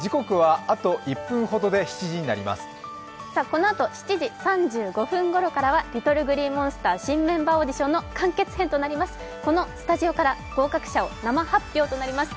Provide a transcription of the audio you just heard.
このあと７時３５分ごろからはＬｉｔｔｌｅＧｌｅｅＭｏｎｓｔｅｒ新メンバーオーディションの完結編となります。